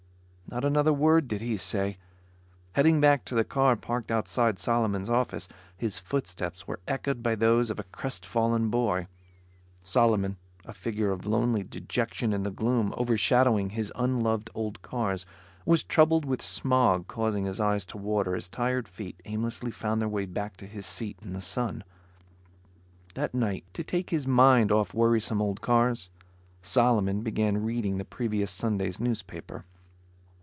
Not another word did he say. Heading back to the car parked outside Solomon's office, his footsteps were echoed by those of a crestfallen boy. Solomon, a figure of lonely dejection in the gloom overshadowing his unloved old cars, was troubled with smog causing his eyes to water as tired feet aimlessly found their way back to his seat in the sun. That night, to take his mind off worrisome old cars, Solomon began reading the previous Sunday's newspaper.